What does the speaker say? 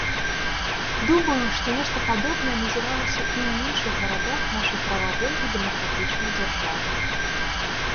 Думаю, што нешта падобнае назіралася і ў іншых гарадах нашай прававой і дэмакратычнай дзяржавы.